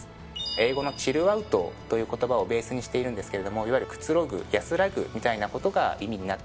英語の「ｃｈｉｌｌｏｕｔ」という言葉をベースにしているんですけれどもいわゆるくつろぐ安らぐみたいなことが意味になっています。